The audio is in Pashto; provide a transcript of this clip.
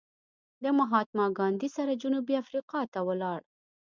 له مهاتما ګاندې سره جنوبي افریقا ته ولاړ.